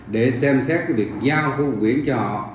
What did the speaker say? để xem xét cái việc giao cái bộ biển cho họ